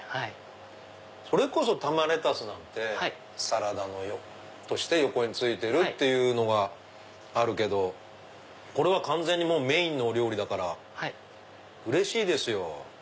それこそ玉レタスなんてサラダとして横についてるっていうのがあるけどこれは完全にメインの料理だからうれしいですよ。